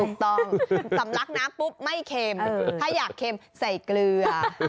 ถูกต้องสำลักน้ำปุ๊บไม่เค็มถ้าอยากเค็มใส่เกลือ